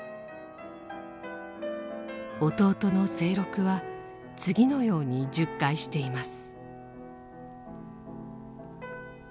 弟の清六は次のように述懐しています。